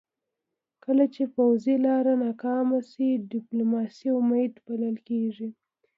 کله چې پوځي لاره ناکامه سي، ډيپلوماسي امید بلل کېږي .